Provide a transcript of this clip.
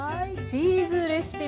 チーズレシピ